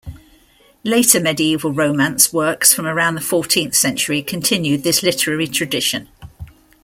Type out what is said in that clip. Later medieval romance works from around the fourteenth century continued this literary tradition.